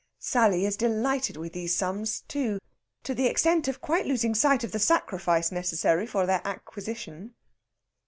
Sally is delighted with these sums, too, to the extent of quite losing sight of the sacrifice necessary for their acquisition.